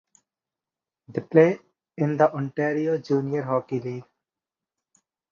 They play in the Ontario Junior Hockey League.